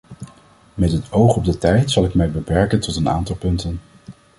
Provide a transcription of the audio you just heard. Met het oog op de tijd zal ik mij beperken tot een aantal punten.